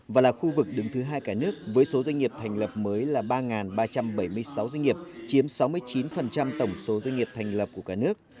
và là khu vực đứng thứ hai cả nước với số doanh nghiệp thành lập mới là ba ba trăm bảy mươi sáu doanh nghiệp chiếm sáu mươi chín tổng số doanh nghiệp thành lập của cả nước